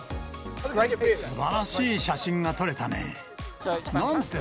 すばらしい写真が撮れたね。